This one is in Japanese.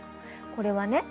これはね